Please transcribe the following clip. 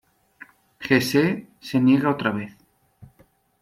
Jesse se niega otra vez.